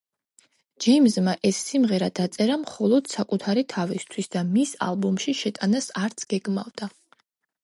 ჯეიმზმა ეს სიმღერა დაწერა მხოლოდ საკუთარი თავისთვის და მის ალბომში შეტანას არც გეგმავდა.